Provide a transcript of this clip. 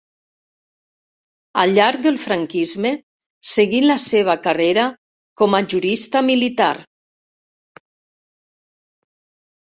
Al llarg del Franquisme seguí la seva carrera com a jurista militar.